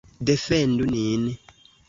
Defendu nin!